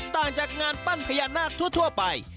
ต่างจากงานปั้นพญานาคทั่วไป